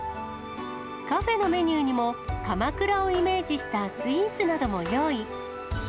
カフェのメニューにも、かまくらをイメージしたスイーツなども用意。